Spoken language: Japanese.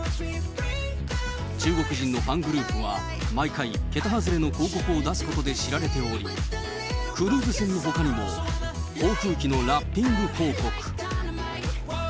中国人のファングループは、毎回けた外れの広告を出すことで知られており、クルーズ船のほかにも、航空機のラッピング広告。